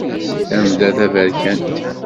Tamda taberkant.